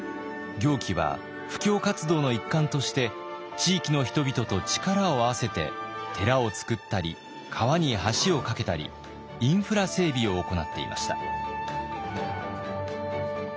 行基は布教活動の一環として地域の人々と力を合わせて寺をつくったり川に橋を架けたりインフラ整備を行っていました。